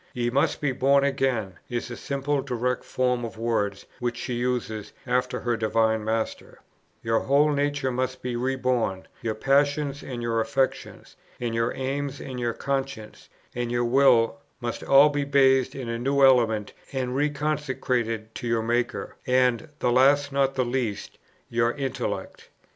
"Ye must be born again," is the simple, direct form of words which she uses after her Divine Master: "your whole nature must be re born; your passions, and your affections, and your aims, and your conscience, and your will, must all be bathed in a new element, and reconsecrated to your Maker, and, the last not the least, your intellect."